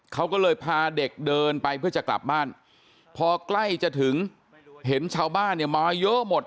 เขาก็เลยพาเด็กเดินไปเพื่อจะกลับบ้านพอใกล้จะถึงเห็นชาวบ้านเนี่ยมาเยอะหมด